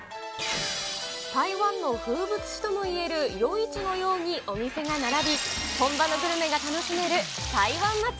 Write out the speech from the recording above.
台湾の風物詩ともいえる夜市のようにお店が並ぶ、本場のグルメが楽しめる台湾祭。